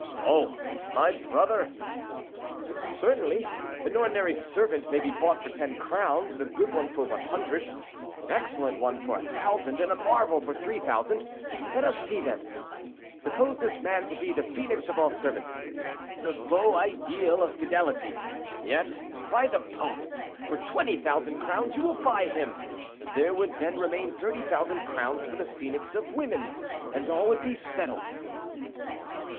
"Oh! my brother!" "Certainly. An ordinary servant may be bought for ten crowns, a good one for 100, an excellent one for 1,000, and a marvel for 3,000. Let us see, then. Suppose this man to be the phoenix of all servants—the beau ideal of fidelity, yet, by the pope! for 20,000 crowns you will buy him. There would then remain 30,000 crowns for the phoenix of women, and all would be settled."